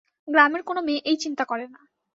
গ্রামের কোনো মেয়ে এই চিন্তা করে না।